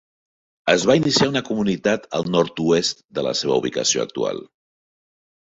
Es va iniciar una comunitat al nord-oest de la seva ubicació actual.